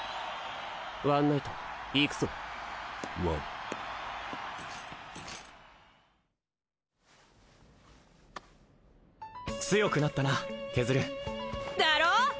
ワンナイト行くぞワン強くなったなケズルだろ！